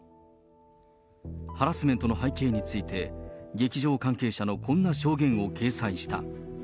ハラスメントの背景について、劇場関係者のこんな証言を掲載した。